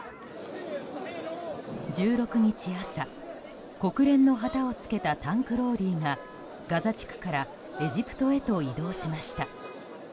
１６日朝、国連の旗を付けたタンクローリーがガザ地区からエジプトへと移動しました。